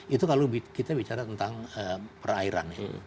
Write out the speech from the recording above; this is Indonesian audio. itu kalau kita bicara tentang perairan ya